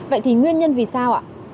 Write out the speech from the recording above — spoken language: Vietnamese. vậy thì nguyên nhân vì sao ạ